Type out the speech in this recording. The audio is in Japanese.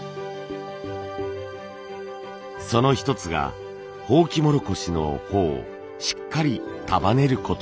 その一つがホウキモロコシの穂をしっかり束ねること。